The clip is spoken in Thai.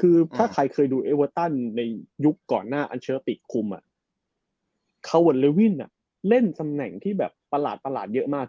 คือถ้าใครเคยดูเอเวอตันในยุคก่อนหน้าอันเชื้อปิกคุมคาวอทเลวินเล่นสำแหน่งที่ประหลาดเยอะมาก